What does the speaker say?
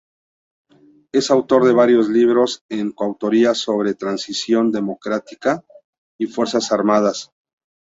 Es autor de varios libros en coautoría sobre Transición democracia y Fuerzas Armadas.